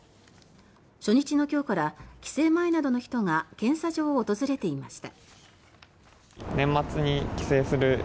初日の今日から帰省前などの人が検査場を訪れていました。